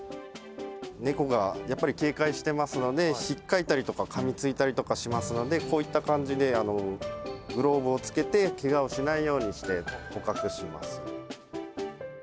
猫がやっぱり警戒してますので、ひっかいたりとかかみついたりとかしますので、こういった感じでグローブを着けて、けがをしないようにして、捕獲します。